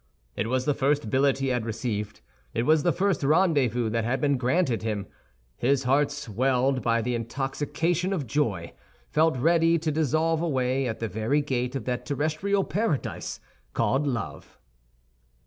It was the first billet he had received; it was the first rendezvous that had been granted him. His heart, swelled by the intoxication of joy, felt ready to dissolve away at the very gate of that terrestrial paradise called Love!